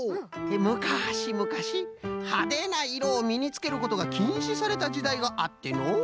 むかしむかしはでないろをみにつけることがきんしされたじだいがあってのう。